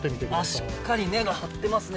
しっかり根が張ってますね